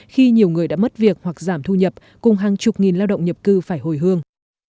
khi nhiều người đã mất việc hoặc giảm thu nhập cùng hàng chục nghìn lao động nhập cư phải hồi hương